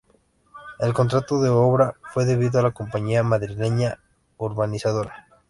El contrato de obra fue debido a la Compañía Madrileña Urbanizadora.